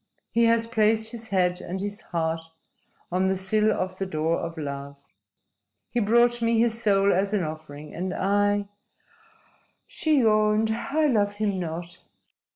"He has placed his head and his heart on the sill of the door of love. He brought me his soul as an offering. And I" she yawned "I love him not."